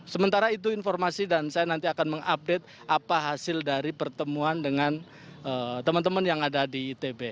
sementara itu informasi dan saya nanti akan mengupdate apa hasil dari pertemuan dengan teman teman yang ada di itb